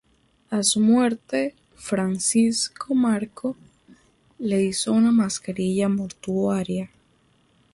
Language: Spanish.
A su muerte, Francisco Marco le hizo una mascarilla mortuoria.